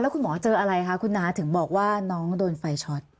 คุณหมอเจออะไรคะคุณน้าถึงบอกว่าน้องโดนไฟช็อต